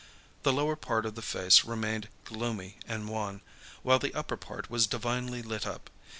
The lower part of the face remained gloomy and wan, while the upper part was divinely lit up.